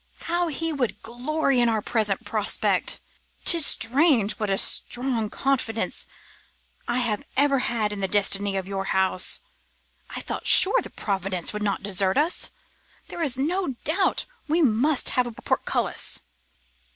How he would glory in our present prospects! 'Tis strange what a strong confidence I have ever had in the destiny of your house. I felt sure that Providence would not desert us. There is no doubt we must have a portcullis.